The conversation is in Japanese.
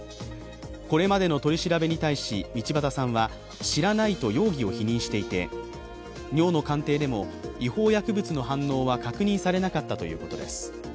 これまでの取り調べに対し道端さんは知らないと容疑を否認していて尿の鑑定でも違法薬物の反応は確認されなかったということです。